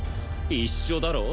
一緒だろ？